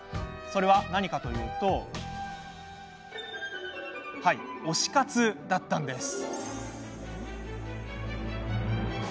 それは何かというと推し活だったんです。